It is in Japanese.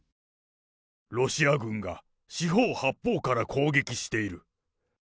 ロシア軍が四方八方から攻撃している。